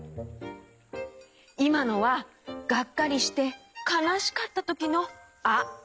いまのはがっかりしてかなしかったときの「あ」！